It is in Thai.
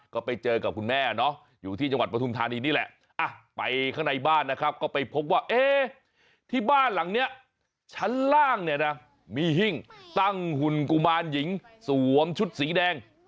ก็ไปเจอกับคุณแม่เนาะอยู่ที่จังหวัดปฐุมธานีนี่แหละไปข้างในบ้านนะครับก็ไปพบว่าที่บ้านหลังนี้ชั้นล่างเนี่ยนะมีหิ้งตั้งหุ่นกุมารหญิงสวมชุดสีแดง